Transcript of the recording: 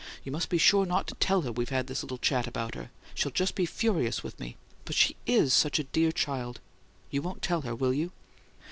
You must be sure not to TELL we've had this little chat about her she'd just be furious with me but she IS such a dear child! You won't tell her, will you?"